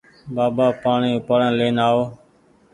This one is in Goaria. بآبآ پآڻيٚ اُپآڙين لين آئو